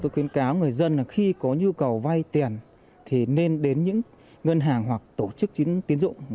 tôi khuyến cáo người dân là khi có nhu cầu vay tiền thì nên đến những ngân hàng hoặc tổ chức tín dụng